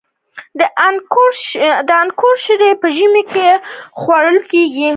د انګورو شیره په ژمي کې خوړل کیږي.